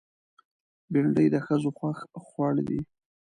بېنډۍ د ښځو خوښ خوړ دی